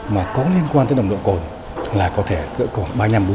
mà có liên quan tới nồng độ cồn là có thể gỡ cồn ba mươi năm bốn mươi